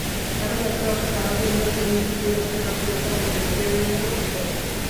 হঠাৎ এত রাত্রে তাহাদের নিরাপদ নিভৃত নিবাসের কাছে লোকসমাগম দেখিয়া উঠিয়াছে।